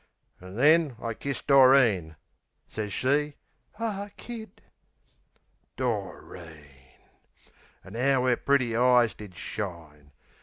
An' then I kiss Doreen. Sez she "Ah Kid!" Doreen! Ar 'ow 'er pretty eyes did shine.